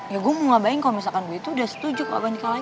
ya gue mau ngabain kalau misalkan gue itu udah setuju ke abah nikah lagi